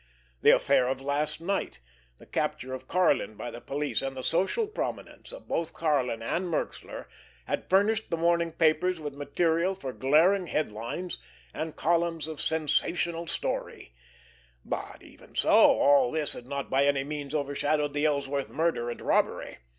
The affair of last night, the capture of Karlin by the police, and the social prominence of both Karlin and Merxler, had furnished the morning papers with material for glaring headlines and columns of sensational "story"; but, even so, all this had not by any means overshadowed the Ellsworth murder and robbery.